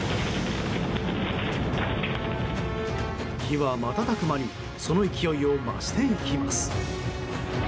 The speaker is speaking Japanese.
火は瞬く間にその勢いを増していきます。